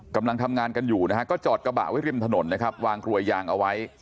กำลังทำงานกันอยู่นะฮะก็จอดกระบะไว้ริมถนนนะครับวางกลวยยางเอาไว้